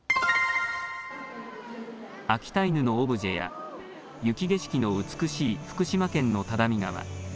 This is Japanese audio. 秋田犬のオブジェや雪景色の美しい福島県の只見川。